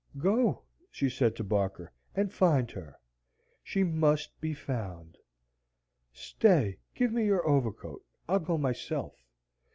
"Go," she said to Barker, "and find her. She MUST be found; stay, give me your overcoat, I'll go myself."